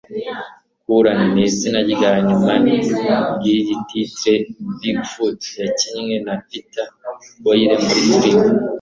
Curran nizina ryanyuma ryiyi titre bigfoot yakinnye na Peter Boyle muri film